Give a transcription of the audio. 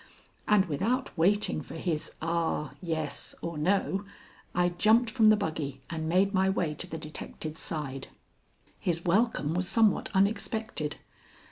And without waiting for his ah, yes, or no, I jumped from the buggy and made my way to the detective's side. His welcome was somewhat unexpected.